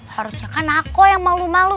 harusnya kan aku yang malu malu